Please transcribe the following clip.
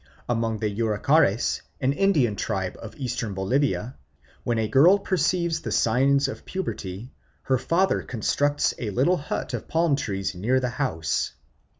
Among the Yuracares, an Indian tribe of Eastern Bolivia, when a girl perceives the signs of puberty, her father constructs a little hut of palm leaves near the house.